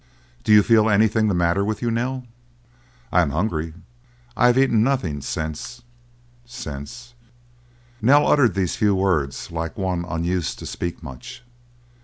"Do you feel anything the matter with you, Nell?" "I am hungry. I have eaten nothing since—since—" Nell uttered these few words like one unused to speak much.